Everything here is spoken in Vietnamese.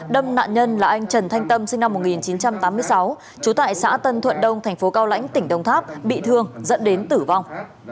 đâm nạn nhân là anh trần thanh tâm sinh năm một nghìn chín trăm tám mươi sáu trú tại xã tân thuận đông thành phố cao lãnh tỉnh đồng tháp bị thương dẫn đến tử vong